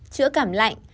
chữa cảm lạnh